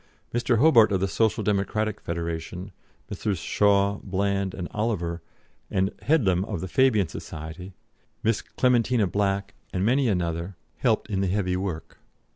Mr. Hobart of the Social Democratic Federation, Messrs. Shaw, Bland, and Oliver, and Headlam of the Fabian Society, Miss Clementina Black, and many another helped in the heavy work.